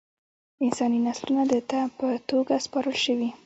انساني نسلونه ده ته په توګه سپارل شوي.